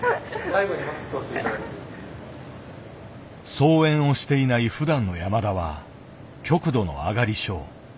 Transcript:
操演をしていないふだんの山田は極度のあがり症。